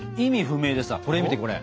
これ見てこれ！